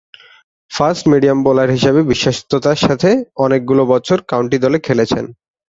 Fast-medium bowler হিসেবে বিশ্বস্ততার সাথে অনেকগুলো বছর কাউন্টি দলে খেলেছেন।